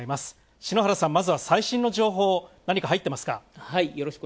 篠原さん、最新の情報何か入ってますか？